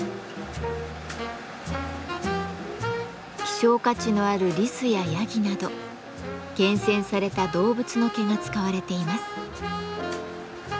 希少価値のあるリスやヤギなど厳選された動物の毛が使われています。